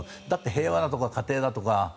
平和だとか家庭だとか。